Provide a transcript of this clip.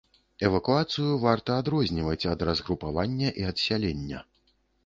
Эвакуацыю варта адрозніваць ад разгрупавання і адсялення.